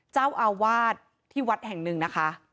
เจ้าอาวาดที่วัดแห่ง๑นะคะ